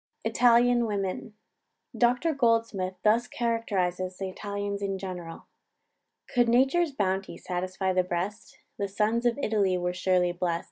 ITALIAN WOMEN. Dr Goldsmith thus characterises the Italians in general: "Could nature's bounty satisfy the breast, The sons of Italy were surely blest.